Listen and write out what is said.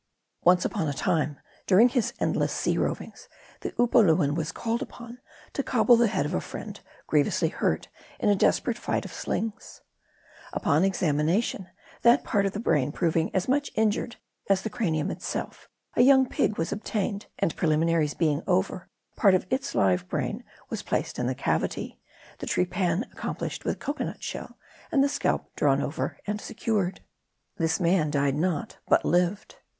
Once upon a time, during "his endless sea rovings, the Upoluan was called upon to cobble the head of a friend, grievously hurt in a desperate fight of slings. Upon examination, that part of the brain proving as much injured as the cranium itself, a young pig was obtained ; and preliminaries being over, part of its live brain was placed in the cavity, the trepan, accomplished with cocoanut shell, and the scalp drawn over and secured. This man died not, but lived.